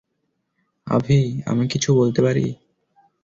আভি, আমি কিছু বলতে পারি?